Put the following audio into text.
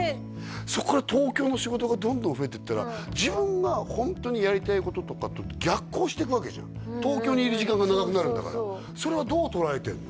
そっから東京の仕事がどんどん増えてったら自分がホントにやりたいこととかと逆行していくわけじゃん東京にいる時間が長くなるんだからそれはどう捉えてるの？